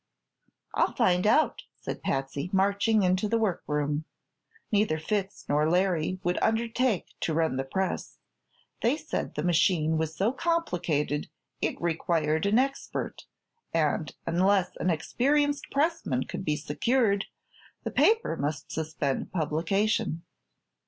"I'll find out," said Patsy, marching into the workroom. Neither Fitz nor Larry would undertake to run the press. They said the machine was so complicated it required an expert, and unless an experienced pressman could be secured the paper must suspend publication.